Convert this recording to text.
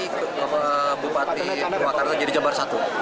bupati purwakarta jadi jabar satu